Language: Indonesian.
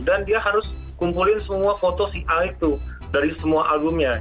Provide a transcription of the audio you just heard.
dan dia harus kumpulin semua foto si a itu dari semua albumnya